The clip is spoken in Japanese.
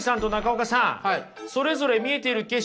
それぞれ見えている景色